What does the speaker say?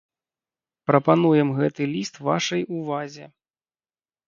Прапануем гэты ліст вашай увазе.